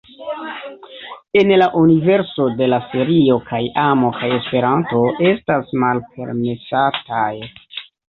En la universo de la serio kaj amo kaj Esperanto estas malpermesataj.